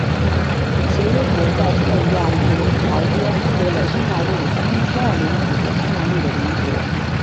协约国在特里亚农条约剥夺了匈牙利的三分之二领土给匈牙利的邻国。